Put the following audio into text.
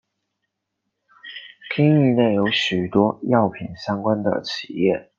町域内有许多药品相关的企业。